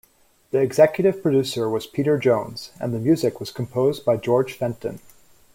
The executive producer was Peter Jones and the music was composed by George Fenton.